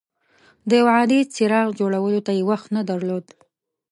د یو عادي څراغ جوړولو ته یې وخت نه درلود.